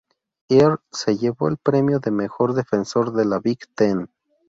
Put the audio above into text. Earl se llevó el premio de Mejor Defensor de la Big Ten.